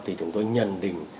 thì chúng tôi nhận định